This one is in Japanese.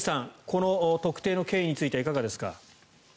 この特定の経緯についてはいかがですか。